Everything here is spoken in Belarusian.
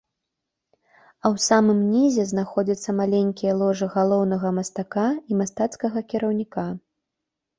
А ў самым нізе знаходзяцца маленькія ложы галоўнага мастака і мастацкага кіраўніка.